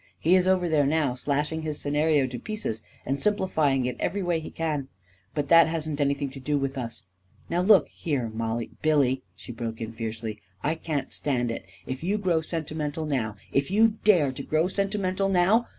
He is over there now, slashing his scenario to pieces and simplifying it every way he can. But that hasn't anything to do with us. Now, look here, Mollie ..."" Billy," she broke in fiercely, " I can't stand it I If you grow sentimental now — if you dare to grow sentimental now